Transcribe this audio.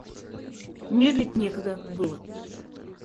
Медлить некогда было.